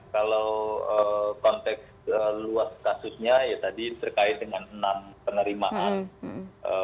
kalau konteks luas kasusnya ya tadi terkait dengan enam penerimaan